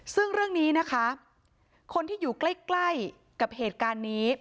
ซึ่งเรื่องนี้นะคะคนที่อยู่ใกล้กับเหตุการณ์นี้